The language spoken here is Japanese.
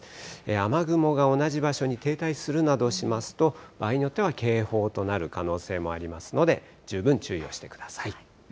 雨雲が同じ場所に停滞するなどしますと、場合によっては警報となる可能性もありますので、十分注意をしてください。